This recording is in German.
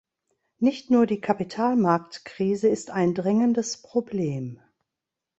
Nicht nur die Kapitalmarktkrise ist ein drängendes Problem.